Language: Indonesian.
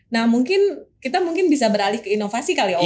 nah mungkin kita mungkin bisa beralih ke inovasi kali ya